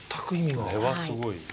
これはすごいよ。